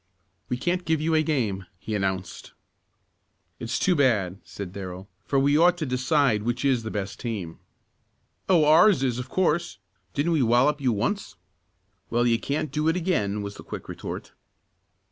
"We can't give you a game," he announced. "It's too bad," said Darrell, "for we ought to decide which is the best team." "Oh, ours is, of course. Didn't we wallop you once?" "Well, you can't do it again," was the quick retort.